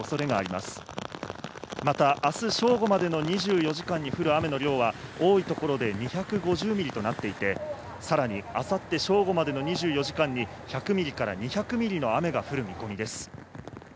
また、あす正午までの２４時間に降る雨の量は多い所で２５０ミリとなっていて、さらにあさって正午までの２４時間に、１００ミリから２００ミリの雨が降る見込みです。